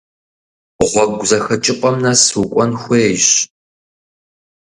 Гъуэгу зэхэкӏыпӏэм нэс укӏуэн хуейщ.